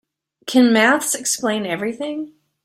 Can maths explain everything?